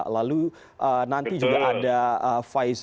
lalu nanti juga ada pfizer